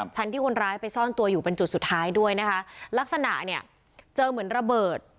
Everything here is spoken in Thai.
ชั้นที่คนร้ายไปซ่อนตัวอยู่เป็นจุดสุดท้ายด้วยนะคะลักษณะเนี่ยเจอเหมือนระเบิด